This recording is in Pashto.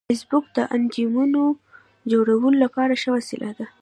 فېسبوک د انجمنونو جوړولو لپاره ښه وسیله ده